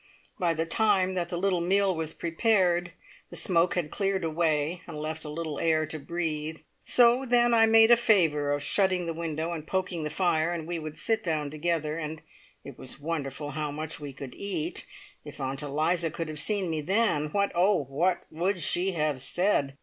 By the time that the little meal was prepared, the smoke had cleared away and left a little air to breathe, so then I made a favour of shutting the window and poking the fire, and we would sit down together, and it was wonderful how much we could eat! If Aunt Eliza could have seen me then, what oh, what would she have said!